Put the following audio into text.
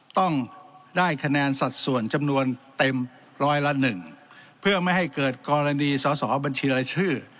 ต้องได้คะแนนสัดส่วนจำนวนเต็มร้อยละหนึ่งเพื่อไม่ให้เกิดกรณีสอสอบัญชีรายชื่อ